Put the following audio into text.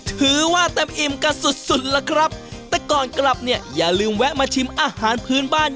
ถือว่าเต็มอิ่มกันสุดสุดล่ะครับแต่ก่อนกลับเนี่ยอย่าลืมแวะมาชิมอาหารพื้นบ้าน